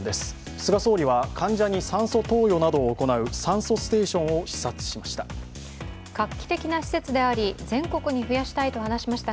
菅総理は患者に酸素投与などを行う酸素ステーションを視察しました。